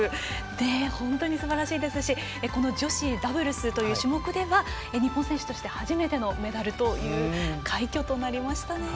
本当にすばらしいですしこの女子ダブルスという種目では日本選手として初めてのメダルという快挙となりました。